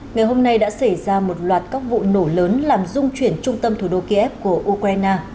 ngày hôm nay đã xảy ra một loạt các vụ nổ lớn làm dung chuyển trung tâm thủ đô kiev của ukraine